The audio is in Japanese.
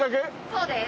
そうです。